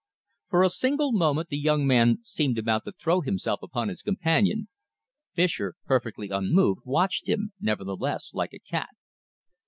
For a single moment the young man seemed about to throw himself upon his companion, Fischer, perfectly unmoved, watched him, nevertheless, like a cat.